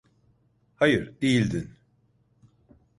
Hayır, değildin.